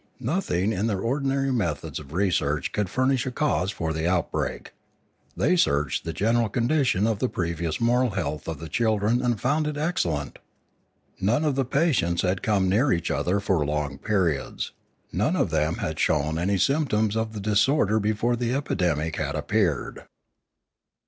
Nothing in their ordinary methods of research could furnish a cause for the outbreak. They searched the general condition of the previous moral health of the children, and found it excellent. None of the patients had come near each other for long periods; none of them had shown any symptoms of the disorder before the epidemic had appeared.